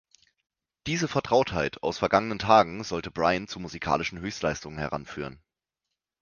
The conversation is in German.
Diese Vertrautheit aus vergangenen Tagen sollte Brian zu musikalischen Höchstleistungen heranführen.